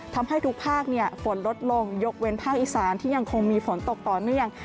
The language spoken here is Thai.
ทำให้ทุกภาคฝนลดลงยกเว้นภาคอีสานที่ยังคงมีฝนตกต่อเนื่อง